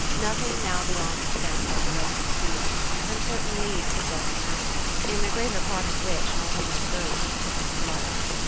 Nothing now belongs to them but the residencia, and certain leagues of desert mountain, in the greater part of which not even a goat could support life.